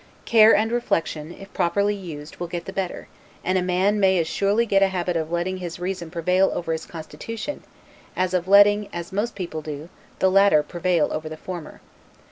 Care and reflection, if properly used, will get the better: and a man may as surely get a habit of letting his reason prevail over his constitution, as of letting, as most people do, the latter prevail over the former.